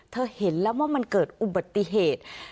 เห็นแล้วว่ามันเกิดอุบัติเหตุ